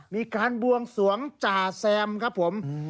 มีการบวงสวงจ่าแซมครับผม